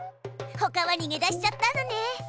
ほかはにげ出しちゃったのね。